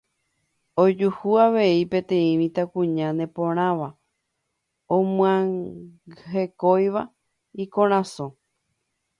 Ojuhu avei peteĩ mitãkuña neporãva omyangekóiva ikorasõ.